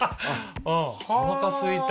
おなかすいた。